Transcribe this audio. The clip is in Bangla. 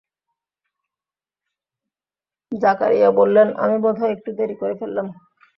জাকারিয়া বললেন, আমি বোধহয় একটু দেরি করে ফেললাম।